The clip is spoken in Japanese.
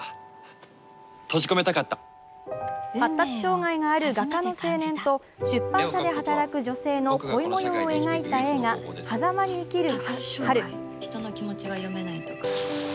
発達障害がある画家の青年と出版社で働く女性の恋模様を描いた映画「はざまに生きる、春」。